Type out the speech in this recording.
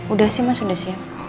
udah sih mas sudah siap